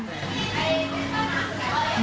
รู้ไหมว่าเขามีแฟน